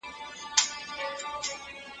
پیغلې نجونې خپل زر ګرځاوه.